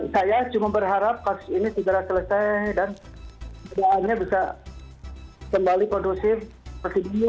saya cuma berharap kasus ini tiba tiba selesai dan keadaannya bisa kembali kondusif